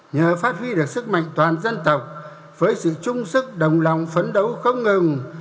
nhờ phát huy được sức mạnh toàn dân tộc với sự trung sức đồng lòng phấn đấu không ngừng